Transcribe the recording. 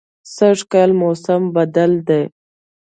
سږکال موسم بدل دی